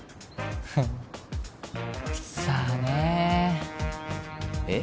フッさあねええっ？